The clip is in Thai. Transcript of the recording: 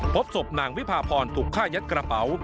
พบศพนางวิพาพรถูกฆ่ายัดกระเป๋า